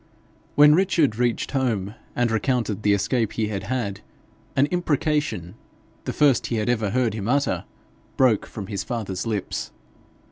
When Richard reached home and recounted the escape he had had, an imprecation, the first he had ever heard him utter, broke from his father's lips.